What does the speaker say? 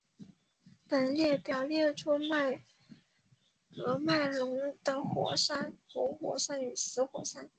本列表列出喀麦隆的活火山与死火山。